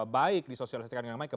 baik disosialisasi dengan baik ke